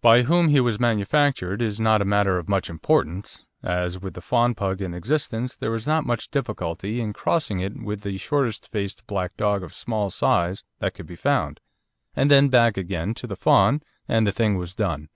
By whom he was manufactured is not a matter of much importance, as with the fawn Pug in existence there was not much difficulty in crossing it with the shortest faced black dog of small size that could be found, and then back again to the fawn, and the thing was done.